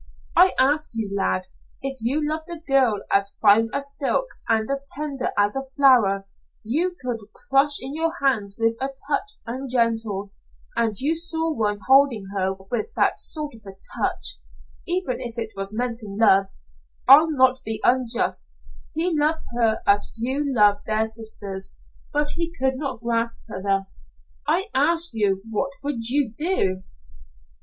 "I ask you, lad, if you loved a girl as fine as silk and as tender as a flower you could crush in your hand with a touch ungentle, and you saw one holding her with that sort of a touch, even if it was meant in love, I'll not be unjust, he loved her as few love their sisters but he could not grasp her thus; I ask you what would you do?"